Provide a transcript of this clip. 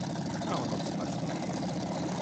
"Całą noc spać nie mogłem."